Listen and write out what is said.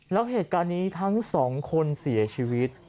แล้วเหตุการณ์นี้ทั้งสองคนเสียชีวิต